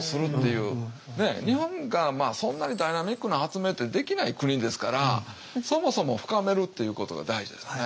日本がそんなにダイナミックな発明ってできない国ですからそもそも深めるっていうことが大事ですね。